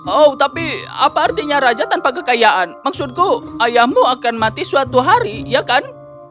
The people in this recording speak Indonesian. oh tapi apa artinya raja tanpa kekayaan maksudku ayahmu akan mati suatu hari ya kan